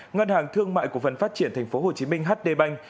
ngân hàng thương mại cổ phần phát triển tp hcm hdbank